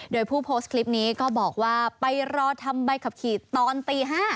โดยผู้โพสต์คลิปนี้ก็บอกว่าไปรอทำใบขับขี่ตอนตี๕